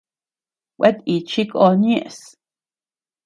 Kuetíchi kon ñeʼes.